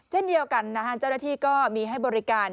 เช่นเดียวกันนะฮะเจ้าหน้าที่ก็มีให้บริการ